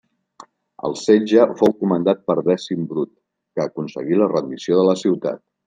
El setge fou comandat per Dècim Brut, que aconseguí la rendició de la ciutat.